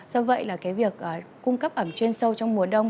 do vậy việc cung cấp ẩm chuyên sâu trong mùa đông